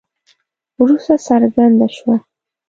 وروسته څرګنده شوه.